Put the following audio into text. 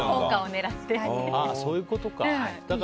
そういうことか。